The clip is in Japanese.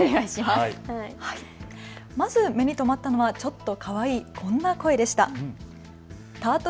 まず目に留まったのはちょっとかわいいこんな声でした。